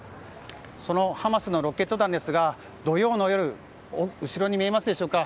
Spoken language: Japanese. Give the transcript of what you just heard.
そのハマスのロケット弾ですが土曜の夜、後ろに見えますでしょうか